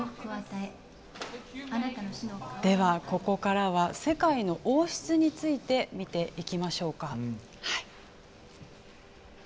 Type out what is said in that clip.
ではここからは世界の王室について見ていきましょうか。